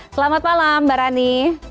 selamat malam mbak rani